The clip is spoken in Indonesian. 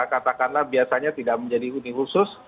katakanlah biasanya tidak menjadi huni khusus